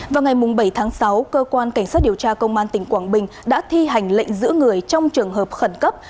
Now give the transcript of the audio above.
vào ngày bảy tháng sáu cơ quan cảnh sát điều tra công an tỉnh quảng bình đã thi hành lệnh giữ người trong trường hợp khẩn cấp